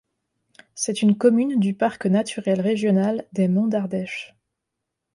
C'est une commune du parc naturel régional des Monts d'Ardèche.